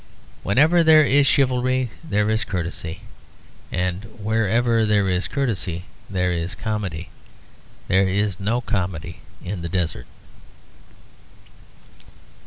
Wherever there is chivalry there is courtesy; and wherever there is courtesy there is comedy. There is no comedy in the desert.